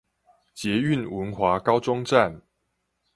捷運文華高中站